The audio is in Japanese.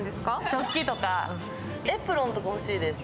食器とか、エプロンとか欲しいです、